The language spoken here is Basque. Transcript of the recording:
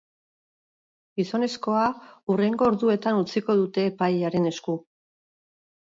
Gizonezkoa hurrengo orduetan utziko dute epailearen esku.